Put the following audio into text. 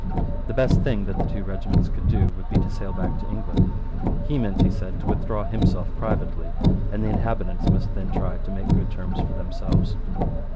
The best thing that the two regiments could do would be to sail back to England. He meant, he said, to withdraw himself privately: and the inhabitants must then try to make good terms for themselves.